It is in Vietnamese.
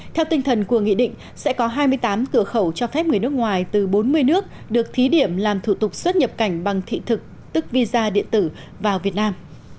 theo tinh thần của nghị định sẽ có hai mươi tám cửa khẩu cho phép người nước ngoài từ bốn mươi nước được thí điểm làm thủ tục xuất nhập cảnh bằng thị thực tức visa điện tử vào việt nam